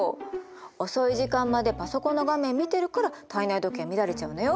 遅い時間までパソコンの画面見てるから体内時計乱れちゃうのよ。